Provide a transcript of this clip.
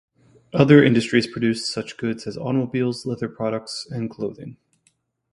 Other industries produced such goods as automobiles, leather products, and clothing.